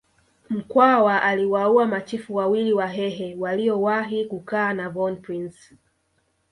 Mkwawa aliwaua machifu wawili wahehe waliowahi kukaa na von Prince